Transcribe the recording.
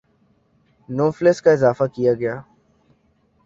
نو فلس کا اضافہ کیا گیا ہے